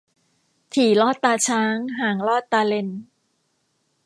ถี่ลอดตาช้าง ห่างลอดตาเล็น